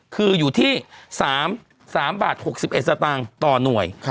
คืออยู่ที่๓๖๑บาทต่อหน่วย